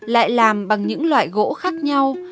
lại làm bằng những loại gỗ khác nhau